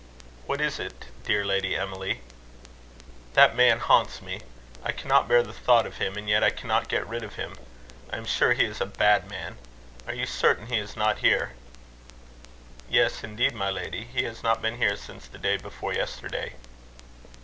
"What is it, dear Lady Emily?" "That man haunts me. I cannot bear the thought of him; and yet I cannot get rid of him. I am sure he is a bad man. Are you certain he is not here?" "Yes, indeed, my lady. He has not been here since the day before yesterday."